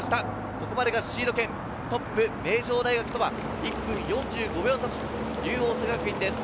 ここまでがシード権、トップ・名城大学とは１分４５秒差という大阪学院です。